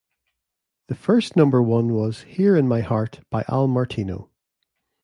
The first number one was "Here in My Heart" by Al Martino.